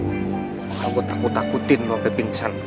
makanya gue takut takutin lo sampai pingsan